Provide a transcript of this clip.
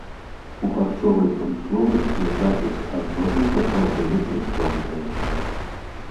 У харчовай прамысловасці закіс азоту сапраўды выкарыстоўваецца.